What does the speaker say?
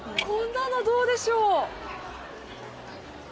こんなのどうでしょう？